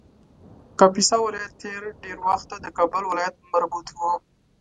کاپیسا ولایت تر ډېر وخته د کابل ولایت مربوط و